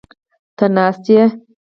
ته ناست یې؟